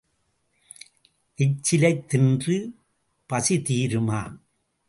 எச்சிலைத் தின்று பசி தீருமா?